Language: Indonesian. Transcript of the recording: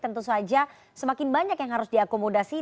tentu saja semakin banyak yang harus diakomodasi